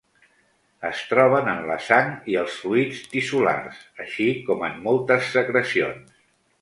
Es troben en la sang i els fluids tissulars, així com en moltes secrecions.